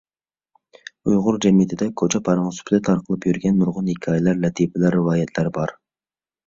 ئۇيغۇر جەمئىيىتىدە كوچا پارىڭى سۈپىتىدە تارقىلىپ يۈرگەن نۇرغۇن ھېكايىلەر، لەتىپىلەر، رىۋايەتلەر بار.